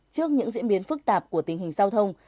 trước những diễn biến phức tạp của tình hình giao thông